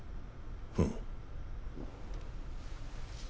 うん。